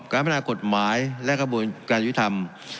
พนากฎหมายและกระบวนการยุทธรรม